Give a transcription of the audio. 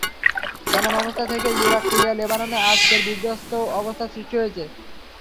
এমন অবস্থা থেকেই ইরাক, সিরিয়া, লেবাননে আজকের বিধ্বস্ত অবস্থা সৃষ্টি হয়েছে।